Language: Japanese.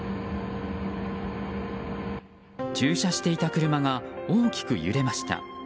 駐車していた車が大きく揺れました。